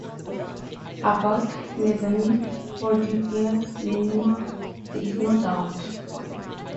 About Nezami's prodigious learning there is no doubt.